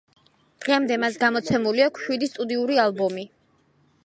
დღემდე მას გამოცემული აქვს შვიდი სტუდიური ალბომი.